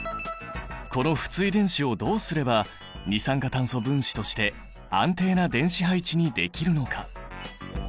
この不対電子をどうすれば二酸化炭素分子として安定な電子配置にできるのか？